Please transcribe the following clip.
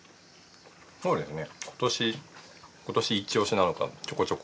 そうですね今年一押しなのかちょこちょこ。